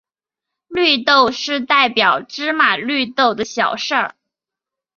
绿豆是代表芝麻绿豆的小事。